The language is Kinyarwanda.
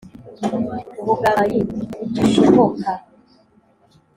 ubugambanyi bugishoboka.